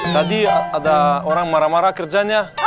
tadi ada orang marah marah kerjanya